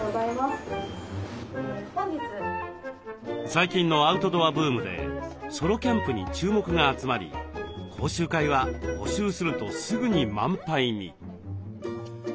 最近のアウトドアブームでソロキャンプに注目が集まり講習会は募集するとすぐに満杯に。